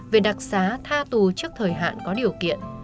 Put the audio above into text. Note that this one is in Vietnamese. về đặc xá tha tù trước thời hạn có điều kiện